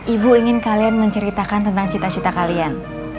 ibu ingin kalian menceritakan tentang cita cita kalian